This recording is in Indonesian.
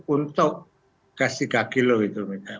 untuk gas tiga kg itu mereka